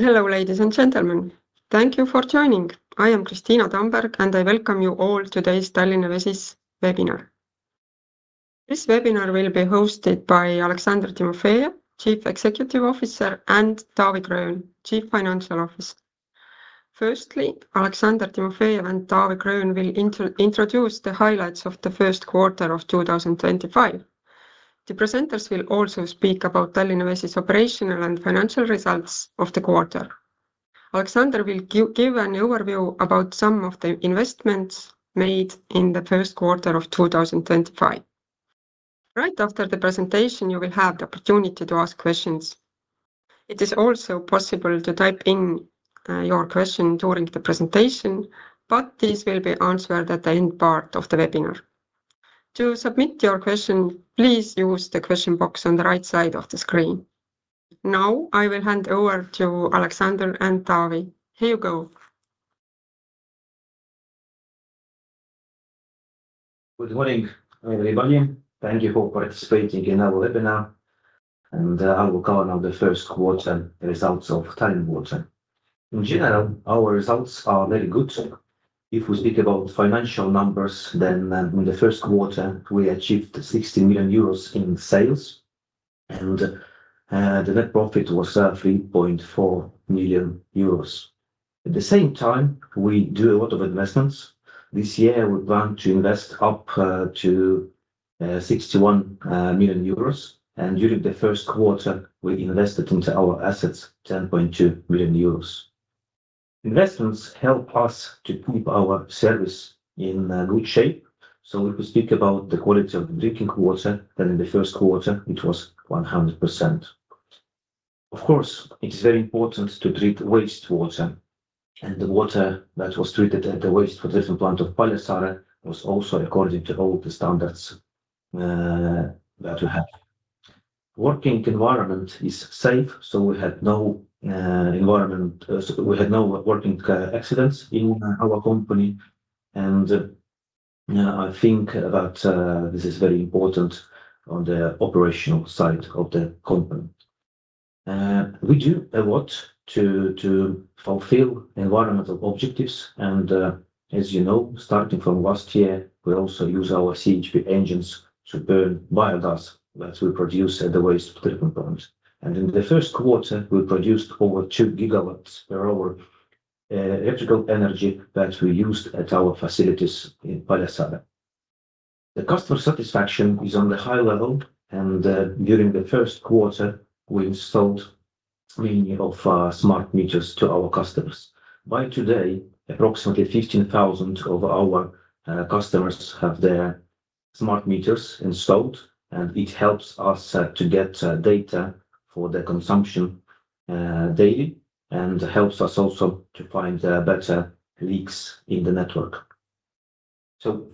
Hello, ladies and gentlemen. Thank you for joining. I am Kristiina Tamberg, and I welcome you all to today's Tallinna Vesi webinar. This webinar will be hosted by Aleksandr Timofejev, Chief Executive Officer, and Taavi Gröön, Chief Financial Officer. Firstly, Aleksandr Timofejev and Taavi Gröön will introduce the highlights of the first quarter of 2025. The presenters will also speak about Tallinna Vesi's operational and financial results of the quarter. Aleksandr will give an overview about some of the investments made in the first quarter of 2025. Right after the presentation, you will have the opportunity to ask questions. It is also possible to type in your question during the presentation, but these will be answered at the end part of the webinar. To submit your question, please use the question box on the right side of the screen. Now I will hand over to Aleksandr and Taavi. Here you go. Good morning, everybody. Thank you for participating in our webinar. I will cover now the Q1 results of Tallinna Vesi. In general, our results are very good. If we speak about financial numbers, then in the Q1, we achieved 60 million euros in sales, and the net profit was 3.4 million euros. At the same time, we do a lot of investments. This year, we plan to invest up to 61 million euros, and during the Q1, we invested into our assets 10.2 million euros. Investments help us to keep our service in good shape. If we speak about the quality of the drinking water, then in the Q1, it was 100%. Of course, it is very important to treat wastewater, and the water that was treated at the wastewater treatment plant of Paljassaare was also according to all the standards that we have. The working environment is safe, so we had no environmental accidents in our company. I think that this is very important on the operational side of the company. We do a lot to fulfill environmental objectives. As you know, starting from last year, we also use our CHP engines to burn biogas that we produce at the wastewater treatment plant. In the Q1, we produced over 2 GWh electrical energy that we used at our facilities in Paljassaare. The customer satisfaction is on a high level, and during the Q1, we installed many smart meters to our customers. By today, approximately 15,000 of our customers have their smart meters installed, and it helps us to get data for the consumption daily and helps us also to find better leaks in the network.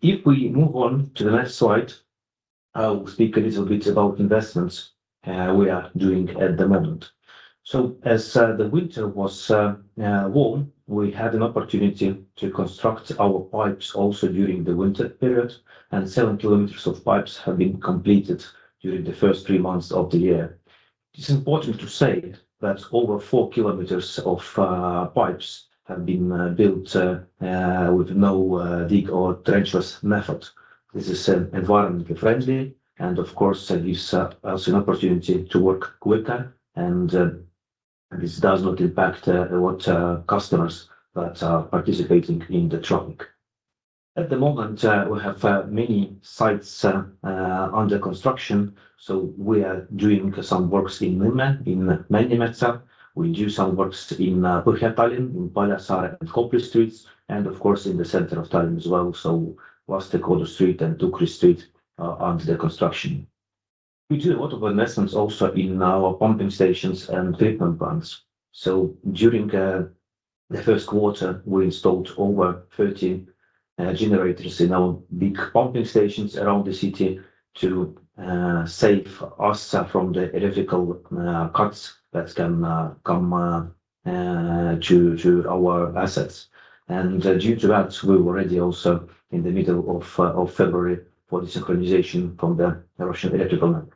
If we move on to the next slide, I will speak a little bit about investments we are doing at the moment. As the winter was warm, we had an opportunity to construct our pipes also during the winter period, and 7 km of pipes have been completed during the first three months of the year. It is important to say that over 4 km of pipes have been built with no-dig or trenchless method. This is environmentally friendly, and of course, it gives us an opportunity to work quicker, and this does not impact customers that are participating in the traffic. At the moment, we have many sites under construction, so we are doing some works in Männimetsa. We do some works in Põhja-Tallinn, in Paljassaare and Kopli streets, and of course, in the center of Tallinn as well. Lastekodu street and Türi street are under construction. We do a lot of investments also in our pumping stations and treatment plants. During the Q1, we installed over 30 generators in our big pumping stations around the city to save us from the electrical cuts that can come to our assets. Due to that, we were ready also in the middle of February for the synchronization from the Russian electrical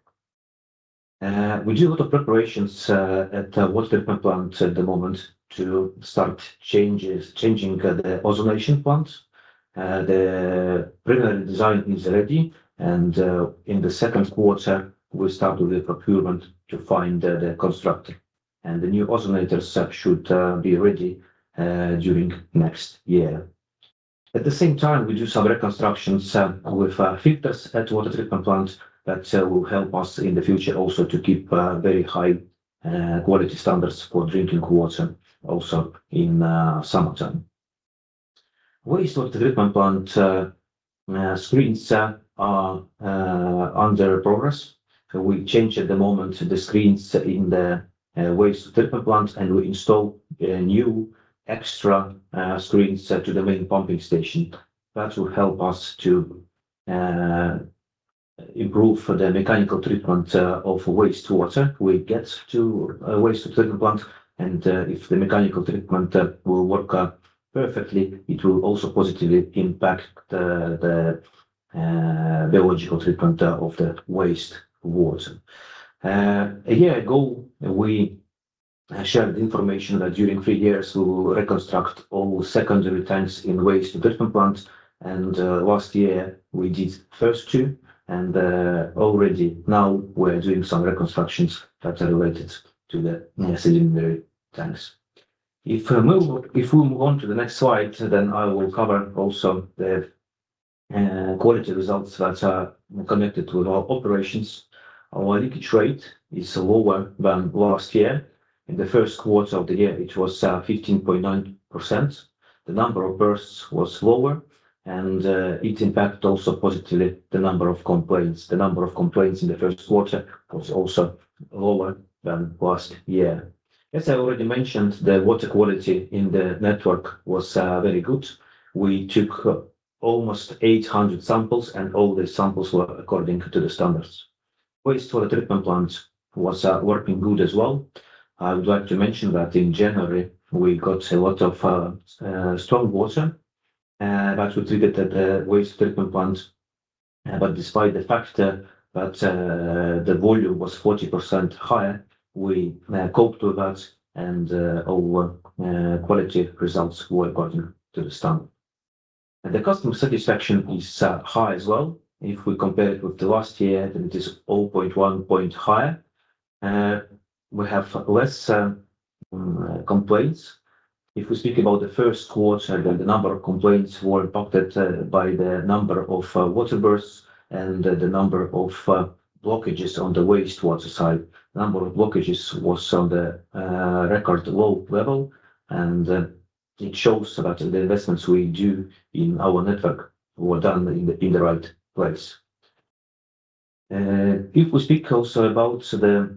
network. We do a lot of preparations at the water treatment plant at the moment to start changing the ozonation plant. The primary design is ready, and in the Q2, we start with the procurement to find the constructor, and the new ozonators should be ready during next year. At the same time, we do some reconstructions with filters at the water treatment plant that will help us in the future also to keep very high quality standards for drinking water also in summertime. Wastewater treatment plant screens are under progress. We change at the moment the screens in the wastewater treatment plant, and we install new extra screens to the main pumping station. That will help us to improve the mechanical treatment of wastewater we get to the wastewater treatment plant. If the mechanical treatment will work perfectly, it will also positively impact the biological treatment of the wastewater. A year ago, we shared information that during three years, we will reconstruct all secondary tanks in wastewater treatment plant. Last year, we did first two, and already now we're doing some reconstructions that are related to the secondary tanks. If we move on to the next slide, then I will cover also the quality results that are connected with our operations. Our leakage rate is lower than last year. In the Q1 of the year, it was 15.9%. The number of bursts was lower, and it impacted also positively the number of complaints. The number of complaints in the Q1 was also lower than last year. As I already mentioned, the water quality in the network was very good. We took almost 800 samples, and all the samples were according to the standards. Wastewater treatment plant was working good as well. I would like to mention that in January, we got a lot of stormwater that we treated at the wastewater treatment plant. Despite the fact that the volume was 40% higher, we coped with that, and our quality results were according to the standard. The customer satisfaction is high as well. If we compare it with the last year, then it is 0.1 point higher. We have less complaints. If we speak about the Q1, then the number of complaints were impacted by the number of water bursts and the number of blockages on the wastewater side. The number of blockages was on the record low level, and it shows that the investments we do in our network were done in the right place. If we speak also about the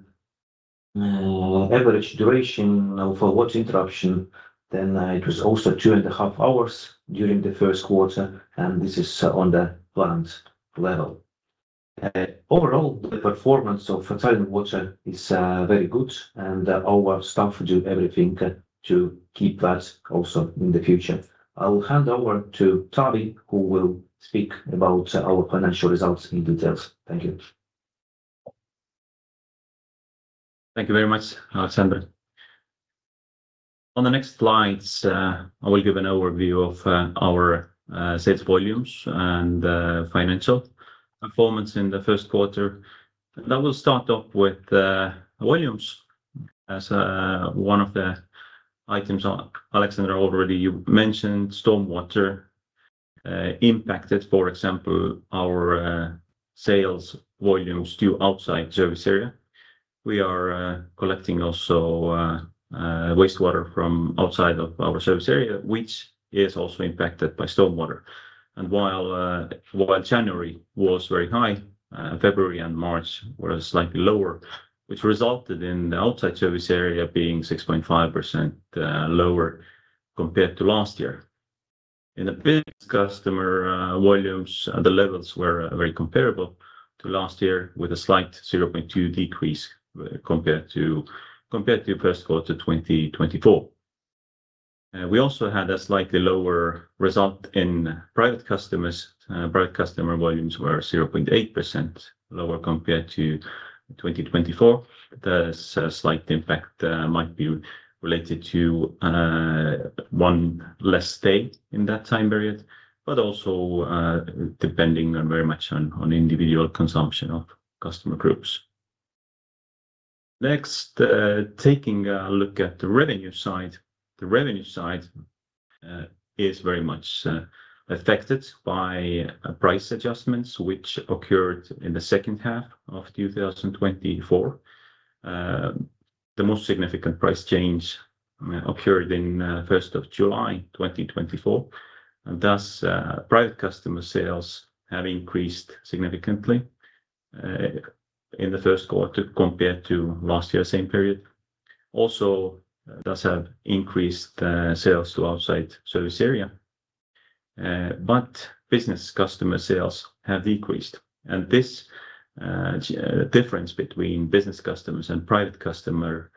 average duration of water interruption, then it was also two and a half hours during the Q1, and this is on the plant level. Overall, the performance of Tallinna Vesi Treatment Plant is very good, and our staff do everything to keep that also in the future. I will hand over to Taavi, who will speak about our financial results in detail. Thank you. Thank you very much, Aleksandr. On the next slides, I will give an overview of our sales volumes and financial performance in the Q1. I will start off with volumes as one of the items Aleksandr already mentioned. Stormwater impacted, for example, our sales volumes to outside service area. We are collecting also wastewater from outside of our service area, which is also impacted by stormwater. While January was very high, February and March were slightly lower, which resulted in the outside service area being 6.5% lower compared to last year. In the business customer volumes, the levels were very comparable to last year, with a slight 0.2% decrease compared to the Q1 of 2024. We also had a slightly lower result in private customers. Private customer volumes were 0.8% lower compared to 2024. That slight impact might be related to one less stay in that time period, but also depending very much on individual consumption of customer groups. Next, taking a look at the revenue side, the revenue side is very much affected by price adjustments, which occurred in the second half of 2024. The most significant price change occurred on July 1st, 2024. Thus, private customer sales have increased significantly in the Q1 compared to last year, same period. Also, there have increased sales to outside service area. Business customer sales have decreased. This difference between business customers and private customer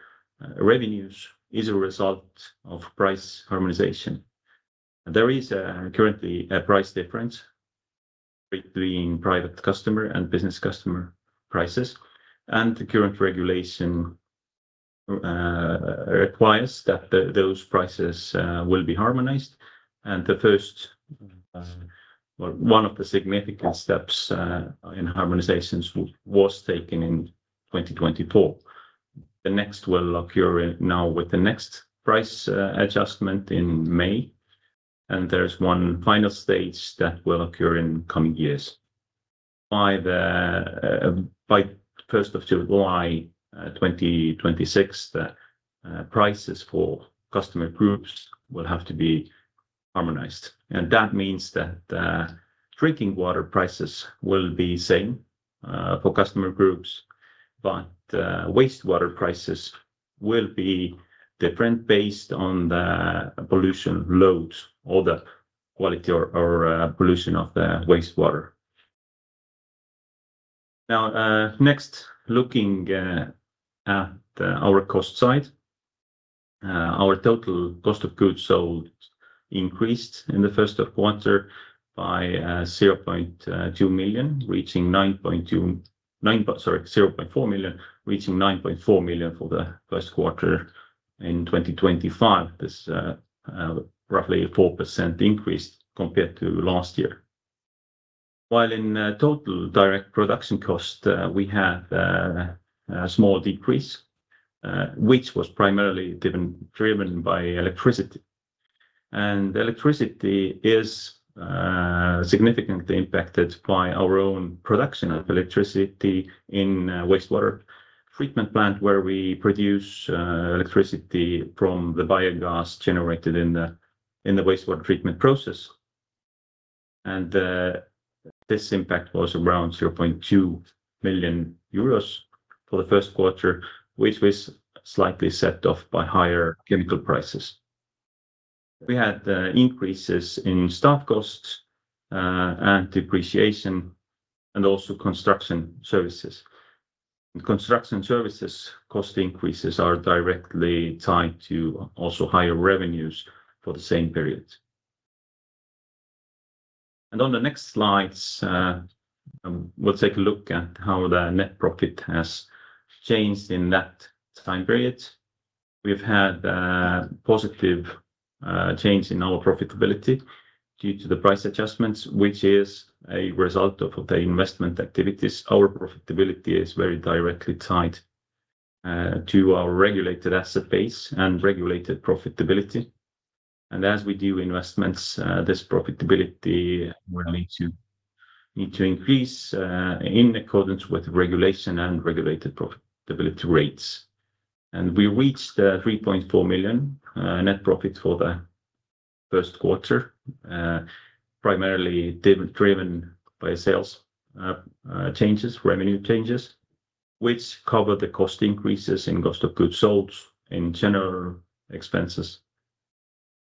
revenues is a result of price harmonization. There is currently a price difference between private customer and business customer prices, and the current regulation requires that those prices will be harmonized. One of the significant steps in harmonization was taken in 2024. The next will occur now with the next price adjustment in May, and there's one final stage that will occur in coming years. By July 1st, 2026, the prices for customer groups will have to be harmonized. That means that drinking water prices will be the same for customer groups, but wastewater prices will be different based on the pollution load or the quality or pollution of the wastewater. Now, next, looking at our cost side, our total cost of goods sold increased in the first quarter by 0.4 million, reaching 9.4 million for the first quarter in 2025. This is roughly a 4% increase compared to last year. While in total direct production cost, we have a small decrease, which was primarily driven by electricity. Electricity is significantly impacted by our own production of electricity in the wastewater treatment plant, where we produce electricity from the biogas generated in the wastewater treatment process. This impact was around 0.2 million euros for the Q1, which was slightly set off by higher chemical prices. We had increases in staff costs and depreciation, and also construction services. Construction services cost increases are directly tied to also higher revenues for the same period. On the next slides, we'll take a look at how the net profit has changed in that time period. We've had a positive change in our profitability due to the price adjustments, which is a result of the investment activities. Our profitability is very directly tied to our regulated asset base and regulated profitability. As we do investments, this profitability will need to increase in accordance with regulation and regulated profitability rates. We reached 3.4 million net profit for the first quarter, primarily driven by sales changes, revenue changes, which cover the cost increases in cost of goods sold in general expenses.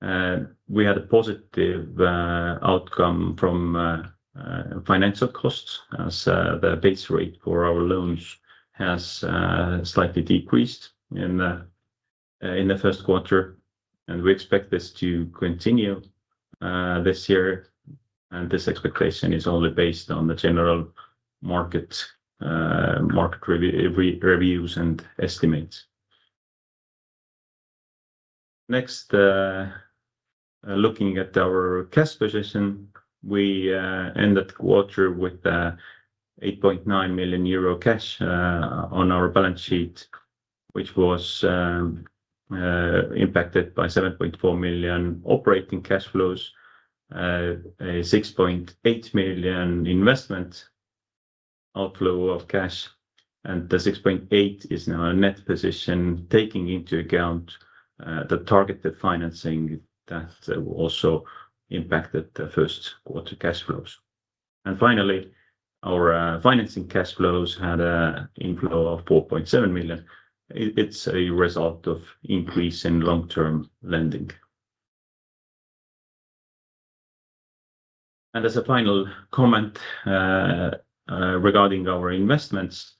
We had a positive outcome from financial costs, as the base rate for our loans has slightly decreased in the Q1. We expect this to continue this year, and this expectation is only based on the general market reviews and estimates. Next, looking at our cash position, we ended the quarter with 8.9 million euro cash on our balance sheet, which was impacted by 7.4 million operating cash flows, 6.8 million investment outflow of cash, and the 6.8 million is now a net position taking into account the targeted financing that also impacted the Q1 cash flows. Finally, our financing cash flows had an inflow of 4.7 million. It's a result of increase in long-term lending. As a final comment regarding our investments,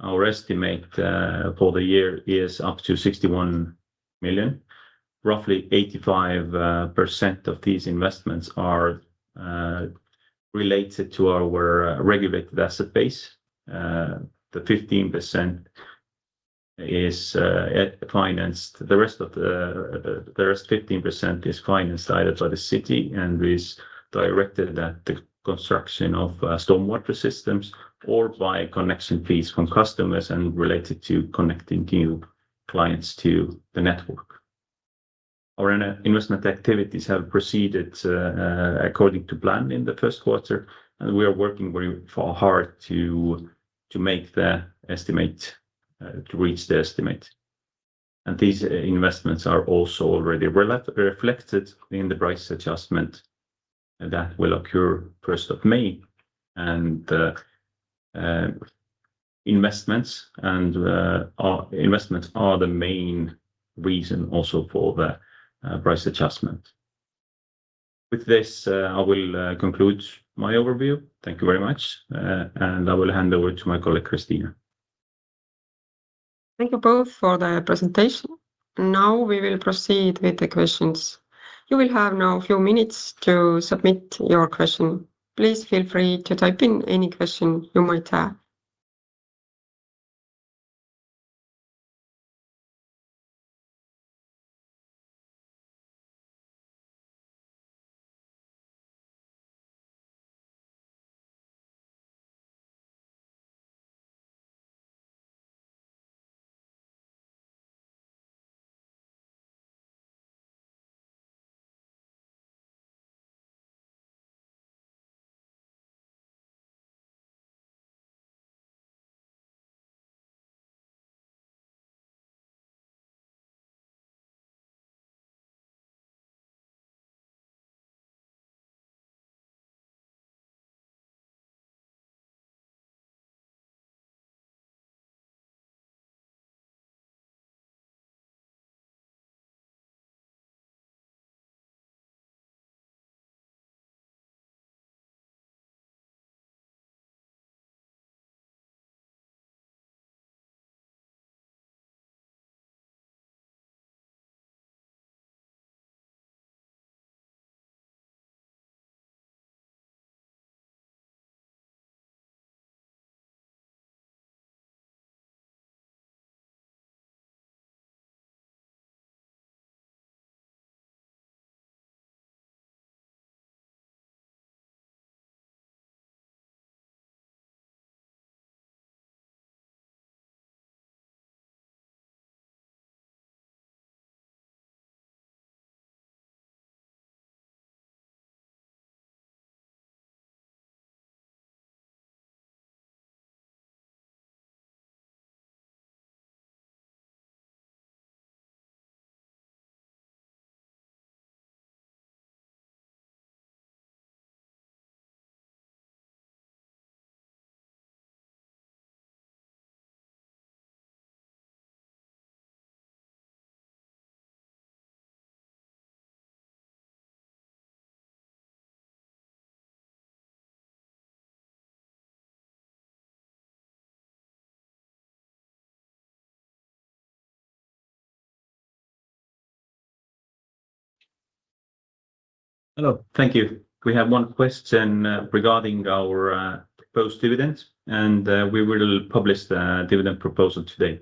our estimate for the year is up to 61 million. Roughly 85% of these investments are related to our regulated asset base. The 15% is financed. The rest of the 15% is financed either by the city and is directed at the construction of stormwater systems or by connection fees from customers and related to connecting new clients to the network. Our investment activities have proceeded according to plan in the Q1, and we are working very hard to make the estimate to reach the estimate. These investments are also already reflected in the price adjustment that will occur May 1st. Investments are the main reason also for the price adjustment. With this, I will conclude my overview. Thank you very much, and I will hand over to my colleague, Kristiina. Thank you both for the presentation. Now we will proceed with the questions. You will have now a few minutes to submit your question. Please feel free to type in any question you might have. Hello, thank you. We have one question regarding our proposed dividend, and we will publish the dividend proposal today.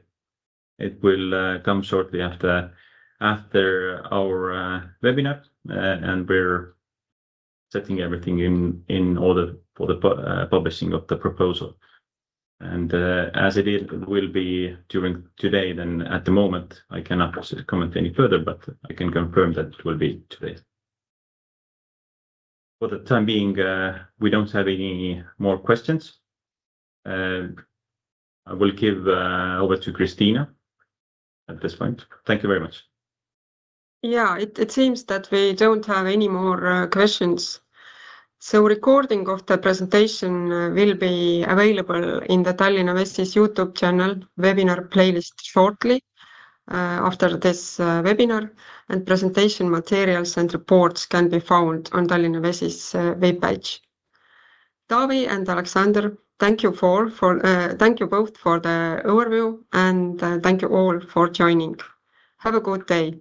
It will come shortly after our webinar, and we are setting everything in order for the publishing of the proposal. As it will be during today, at the moment, I cannot comment any further, but I can confirm that it will be today. For the time being, we do not have any more questions. I will give over to Kristiina at this point. Thank you very much. Yeah, it seems that we don't have any more questions. Recording of the presentation will be available in the Tallinna Vesi's YouTube channel webinar playlist shortly after this webinar, and presentation materials and reports can be found on Tallinna Vesi's webpage. Taavi and Aleksandr, thank you both for the overview, and thank you all for joining. Have a good day.